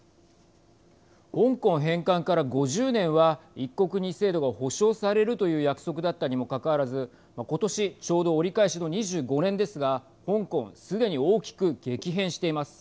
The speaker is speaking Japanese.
香港返還から５０年は一国二制度が保証されるという約束だったにもかかわらずことしちょうど折り返しの２５年ですが香港すでに大きく激変しています。